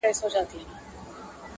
كوم لاسونه به مرۍ د قاتل نيسي!.